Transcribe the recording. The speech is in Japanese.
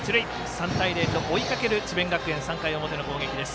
３対０と追いかける、智弁学園３回の表の攻撃です。